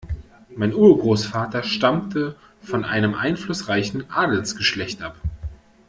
Mein Urgroßvater stammte von einem einflussreichen Adelsgeschlecht ab.